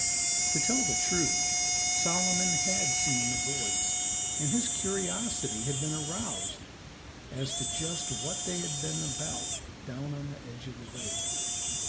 To tell the truth, Solomon had seen the boys, and his curiosity had been aroused as to just what they had been about down on the edge of the lake.